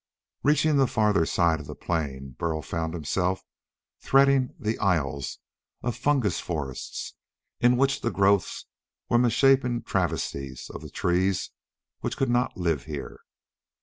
Reaching the farther side of the plain, Burl found himself threading the aisles of a fungus forest in which the growths were misshapen travesties of the trees which could not live here.